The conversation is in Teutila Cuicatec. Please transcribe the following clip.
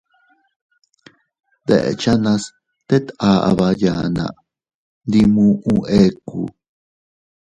Deʼechanas tet aʼaba yanna, ndi muʼu ekku.